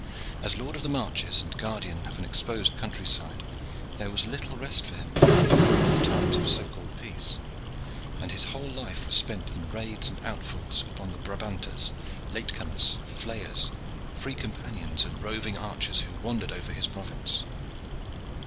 As lord of the marches and guardian of an exposed country side, there was little rest for him even in times of so called peace, and his whole life was spent in raids and outfalls upon the Brabanters, late comers, flayers, free companions, and roving archers who wandered over his province.